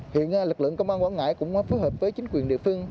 hiện lực lượng công an quảng ngãi cũng phối hợp với chính quyền địa phương